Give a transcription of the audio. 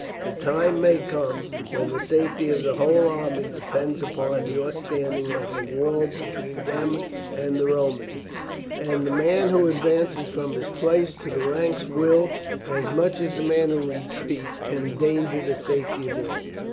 The time may come when the safety of the whole army depends upon your standing like a wall between them and the Romans, and the man who advances from his place in the ranks will, as much as the man who retreats, endanger the safety of all."